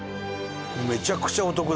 めちゃくちゃお得だね。